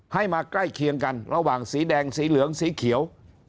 มาใกล้เคียงกันระหว่างสีแดงสีเหลืองสีเขียว